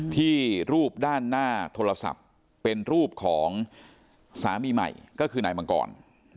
ที่รูปด้านหน้าโทรศัพท์เป็นรูปของสามีใหม่ก็คือนายมังกร